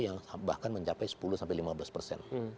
yang bahkan mencapai sepuluh sampai lima belas persen